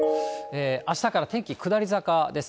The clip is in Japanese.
あしたから天気下り坂です。